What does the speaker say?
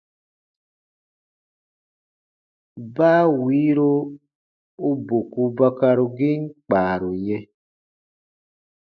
Baa wiiro u boku bakarugiin kpaaru yɛ̃.